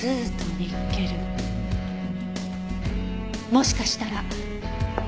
もしかしたら。